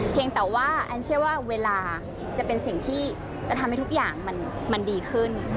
เพียงแต่ว่าเวลาจะเป็นสิ่งที่จะทำให้ทุกอย่างมันดีขึ้น